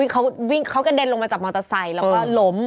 เขาวิ่งเขากระเด็นลงมาจากมอเตอร์ไซค์แล้วก็ล้ม